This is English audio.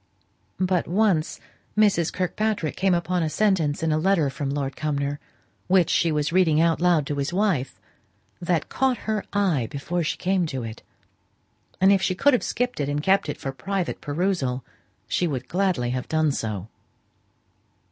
But once Mrs. Kirkpatrick came upon a sentence in a letter from Lord Cumnor, which she was reading out loud to his wife, that caught her eye before she came to it, and if she could have skipped it and kept it for private perusal, she would gladly have done so.